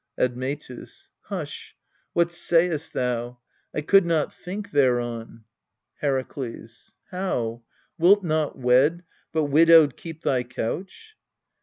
. Admetus. Hush ! what sayst thou ? I could not think thereon ! Herakles. How ? wilt not wed, but widowed keep thy couch